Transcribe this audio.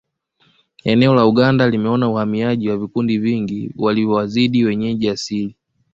Eneo la Uganda limeona uhamiaji wa vikundi vingi waliowazidi wenyeji asili